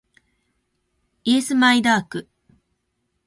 イエスマイダーク